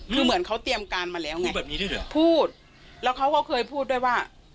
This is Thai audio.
คือเหมือนเขาเตรียมการมาแล้วไงพูดแล้วเขาก็เคยพูดด้วยว่า